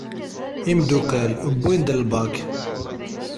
Imddukal wwin-d l BAK.